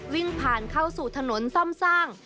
วิ่งผ่านเข้าสู่ถนนซ่อมสร้าง